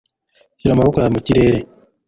Shyira amaboko yawe mu kirere!